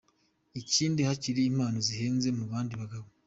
Ikindi yakira impano zihenze ku bandi bagabo.